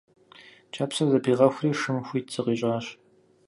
Кӏапсэр зэпигъэхури шым хуит зыкъищӏащ.